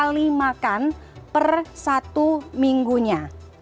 kali makan per satu minggunya